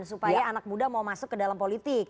supaya anak muda mau masuk ke dalam politik